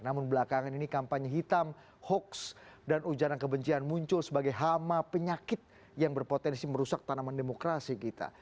namun belakangan ini kampanye hitam hoaks dan ujana kebencian muncul sebagai hama penyakit yang berpotensi merusak tanaman demokrasi kita